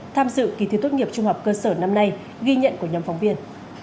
tham dự kỳ thi tốt nghiệp trung học cơ sở năm nay ghi nhận của nhóm phóng viên